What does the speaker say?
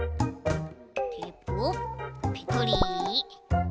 テープをペトリ。